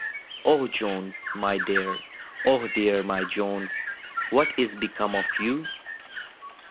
O Jones, my dear! — Oh, dearl my Jones, What is become of you?"